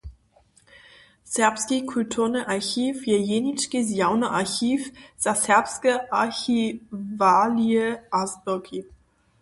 Serbski kulturny archiw je jenički zjawny archiw za serbske archiwalije a zběrki.